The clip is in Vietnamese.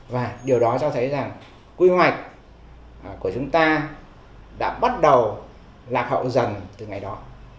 và điều đó cho thấy rằng quy hoạch của chúng ta đã bắt đầu lạc hậu dần từ ngày đó